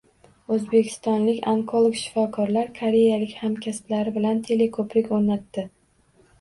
O‘zbekistonlik onkolog shifokorlar koreyalik hamkasblari bilan teleko‘prik o‘rnatdi